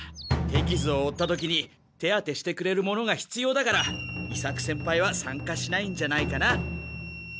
手きずを負った時に手当てしてくれる者がひつようだから伊作先輩は参加しないんじゃないかな。